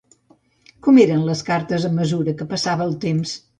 Com eren les cartes a mesura que passava el temps?